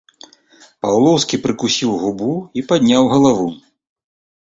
Паўлоўскі прыкусіў губу і падняў галаву.